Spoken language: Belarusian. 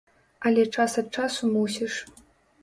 Але час ад часу мусіш.